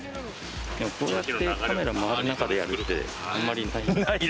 でもこうやってカメラ回る中でやるってあんまりない。